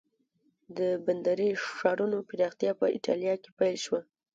د بندري ښارونو پراختیا په ایټالیا کې پیل شوه.